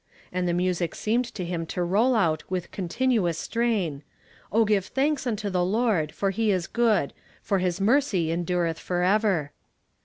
And the music seemed to him to roll out Avith continuous strain :" O give thanks unto the Lord ; for he is good ; for his mercy endure th forever."